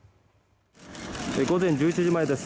午前１１時前です。